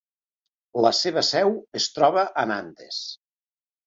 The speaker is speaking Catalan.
La seva seu es troba a Nantes.